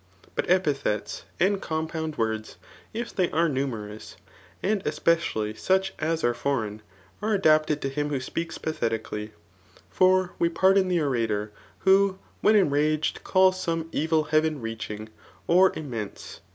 But epithets aqd compound words, if they are numerous, aiid especially such, as are foreign,, are adapted to him who speaks pathetically^ For we pardon the orator, who when enraged calls some evil keaven^reochiag^ or immense.